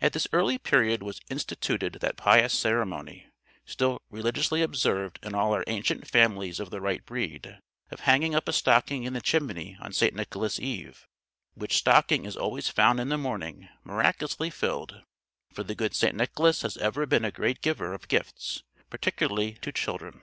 At this early period was instituted that pious ceremony, still religiously observed in all our ancient families of the right breed, of hanging up a stocking in the chimney on St. Nicholas Eve; which stocking is always found in the morning miraculously filled; for the good St. Nicholas has ever been a great giver of gifts, particularly to children.